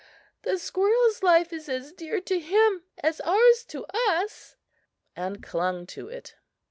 The squirrel's life is as dear to him as ours to us," and clung to it.